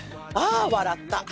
ああ、笑った。